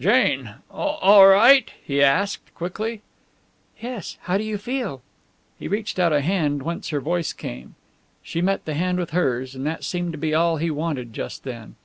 "Jane all right?" he asked, quickly. "Yes. How do you feel?" He reached out a hand whence her voice came. She met the hand with hers, and that seemed to be all he wanted just then.